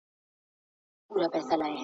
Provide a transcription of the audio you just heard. سړى پښې د خپلي کمبلي سره غځوي.